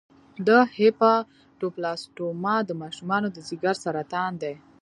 د هیپاټوبلاسټوما د ماشومانو د ځګر سرطان دی.